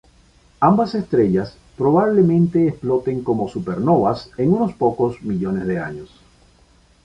Ambas estrellas probablemente exploten como supernovas en unos pocos millones de años.